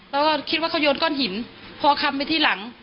แล้วก็คิดว่าเขาโยนก้อนหินพอคำไปที่หลัง